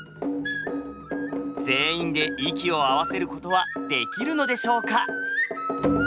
全員で息を合わせることはできるのでしょうか？